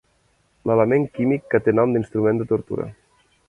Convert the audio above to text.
L'element químic que té nom d'instrument de tortura.